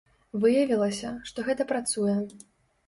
Выявілася, што гэта працуе.